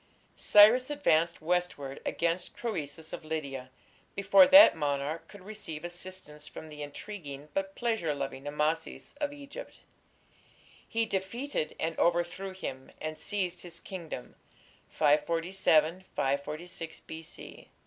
Cyrus advanced westward against Croesus of Lydia before that monarch could receive assistance from the intriguing but pleasure loving Amasis of Egypt; he defeated and overthrew him, and seized his kingdom (547 546 B.